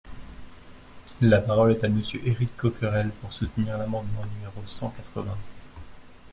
La parole est à Monsieur Éric Coquerel, pour soutenir l’amendement numéro cent quatre-vingts.